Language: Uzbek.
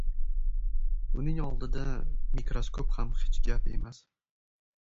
uning oldida mikroskop ham hech gap emas.